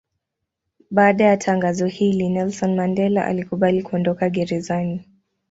Baada ya tangazo hili Nelson Mandela alikubali kuondoka gerezani.